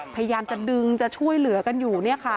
พยายามจะดึงจะช่วยเหลือกันอยู่